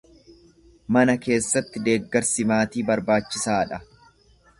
Mana keessatti deeggarsi maatii barbaachisaadha.